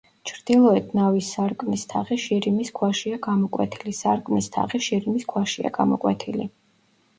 ჩრდილოეთ ნავის სარკმლის თაღი შირიმის ქვაშია გამოკვეთილი, სარკმლის თაღი შირიმის ქვაშია გამოკვეთილი.